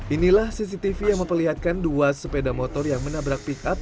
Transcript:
inilah cctv yang memperlihatkan dua sepeda motor yang menabrak pick up